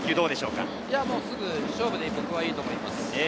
すぐ勝負で僕はいいと思います。